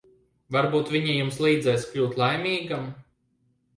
Varbūt viņa jums līdzēs kļūt laimīgam.